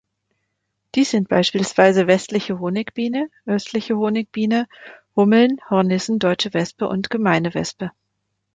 Dies sind beispielsweise Westliche Honigbiene, Östliche Honigbiene, Hummeln, Hornissen, Deutsche Wespe und Gemeine Wespe.